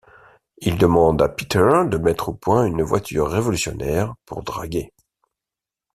Il demande à Peter de mettre au point une voiture révolutionnaire pour draguer.